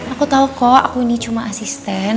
aku tahu kok aku ini cuma asisten